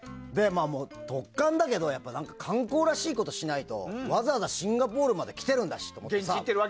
突貫だけど観光らしいことしないとわざわざシンガポールまで来てるんだしと。